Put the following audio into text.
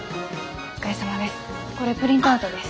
お疲れさまです。